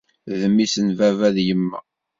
D mmi-s n baba d yemma